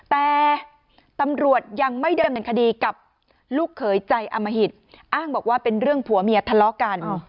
แต่ตำรวจยังไม่เดินเป็นคดีกับลูกเขยใจอมหิตอ้างบอกว่าเป็นเรื่องผัวเมียทะเลาะกัน